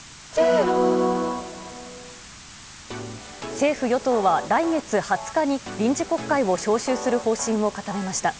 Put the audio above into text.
政府・与党は来月２０日に臨時国会を召集する方針を固めました。